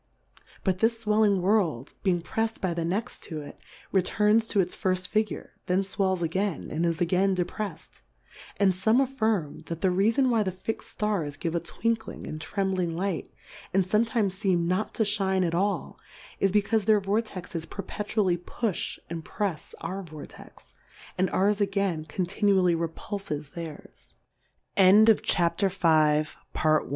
But this fwelling World being prefs'd by the next to it, returns to its firft Figure ; then fwells again, and is again deprefs'd ; and fome affirm, that the Reafon why the fixM Stars give a twinkling and trembling Light, and fometimes feem not to fliine at all, is becaufe their Vortexes perpetually pufh and prefs our Vortex, and ours again continually repulf